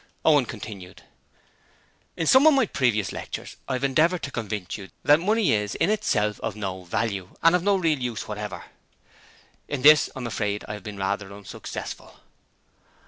Owen continued: 'In some of my previous lectures I have endeavoured to convince you that money is in itself of no value and of no real use whatever. In this I am afraid I have been rather unsuccessful.'